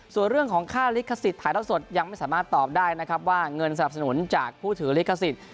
ส่วนเรื่องของค่าลิขสิทธิ์ถ่ายเท่าสดยังไม่สามารถตอบได้นะครับว่าเงินสนับสนุนจากผู้ถือลิขสิทธิ์